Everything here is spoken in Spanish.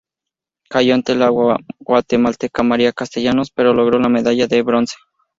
Cayó ante la guatemalteca María Castellanos pero logró la medalla de bronce.